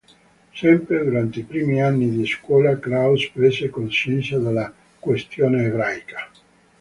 Sempre durante i primi anni di scuola Kraus prese coscienza della "questione ebraica".